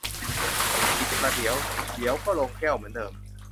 อีกประเดี๋ยว เดี๋ยวก็ลงแก้วเหมือนเดิม